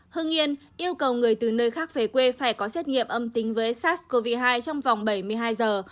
hưng yên yêu cầu người từ nơi khác về quê phải có xét nghiệm âm tính với sars cov hai trong vòng bảy mươi hai giờ